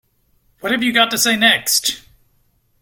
What have you got to say next?